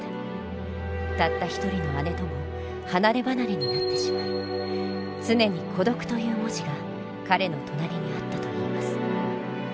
たった一人の姉とも離れ離れになってしまい常に「孤独」という文字が彼の隣にあったといいます。